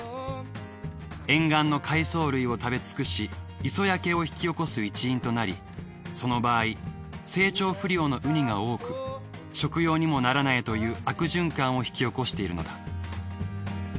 沿岸の海藻類を食べ尽くし磯焼けを引き起こす一因となりその場合成長不良のウニが多く食用にもならないという悪循環を引き起こしているのだ。